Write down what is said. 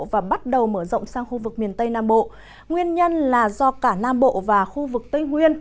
và bắt đầu mở rộng sang khu vực miền tây nam bộ nguyên nhân là do cả nam bộ và khu vực tây nguyên